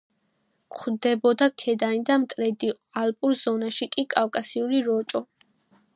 გვხვდებოდა ქედანი და მტრედი, ალპურ ზონაში კი კავკასიური როჭო.